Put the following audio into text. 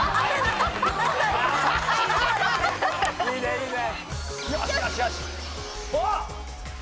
いいねいいね。